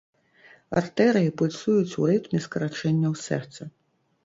Артэрыі пульсуюць ў рытме скарачэнняў сэрца.